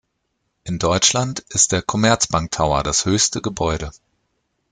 In Deutschland ist der Commerzbank Tower das höchste Gebäude.